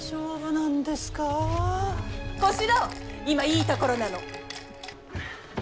今、いいところなの。